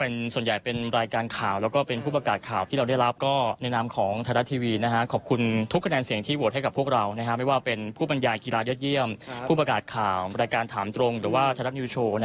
ก็ส่วนใหญ่เป็นรายการข่าวและก็เป็นพูดประกาศข่าวที่เราได้รับในน้ำของทรัตเบียนการแข่งสีโอน